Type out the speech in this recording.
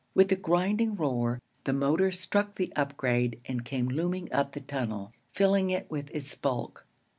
With a grinding roar, the motor struck the upgrade and came looming up the tunnel, filling it with its bulk.